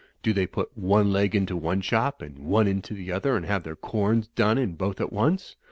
Do they put one leg into one shop and one into the other and have their corns done in both at once?